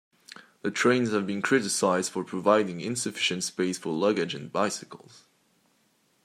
The trains have been criticised for providing insufficient space for luggage and bicycles.